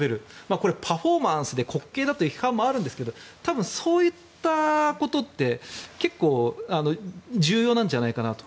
これ、パフォーマンスで滑稽だという批判もあるんですが多分、そういったことって結構重要なんじゃないかなと。